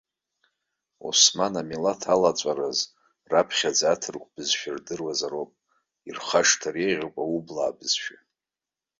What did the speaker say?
Осман милаҭ алаҵәаразы раԥхьаӡа аҭырқә бызшәа рдыруазаруп, ирхашҭыр еиӷьуп аублаа бызшәа.